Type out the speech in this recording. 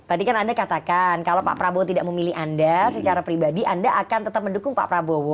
tadi kan anda katakan kalau pak prabowo tidak memilih anda secara pribadi anda akan tetap mendukung pak prabowo